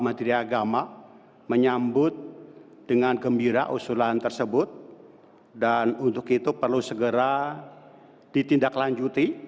menteri agama menyambut dengan gembira usulan tersebut dan untuk itu perlu segera ditindaklanjuti